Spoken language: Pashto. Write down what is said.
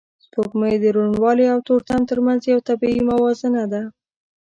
سپوږمۍ د روڼوالی او تورتم تر منځ یو طبیعي موازنه ده